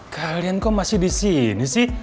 kalian kok masih disini sih